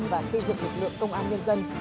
và xây dựng lực lượng công an nhân dân